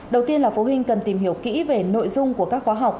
đầu tiên là phụ huynh cần tìm hiểu kỹ về nội dung của các khóa học